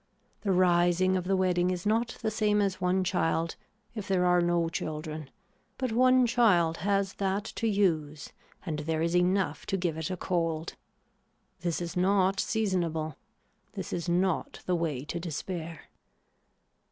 The rising of the wedding is not the same as one child if there are no children but one child has that to use and there is enough to give it a cold. This is not seasonable. This is not the way to despair.